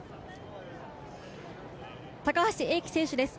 高橋英輝選手です。